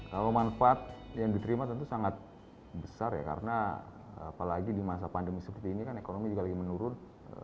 kalau manfaat yang diterima tentu sangat besar ya karena apalagi di masa pandemi seperti ini kan ekonomi juga lagi menurun